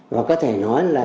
và có thể nói là